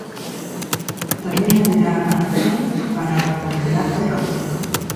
Tamén haberá apartado para o relato erótico.